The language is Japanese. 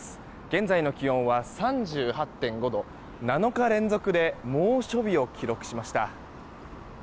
現在の気温は３８．５度７日連続で猛暑日を記録しました。